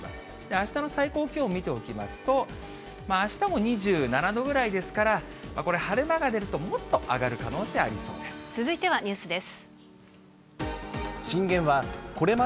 あしたの最高気温を見ておきますと、あしたも２７度ぐらいですから、これ、晴れ間が出るともっと上がる可能性ありそうです。